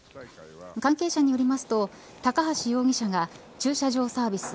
関係者によりますと高橋容疑者が駐車場サービス